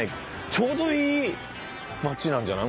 ちょうどいい街なんじゃない？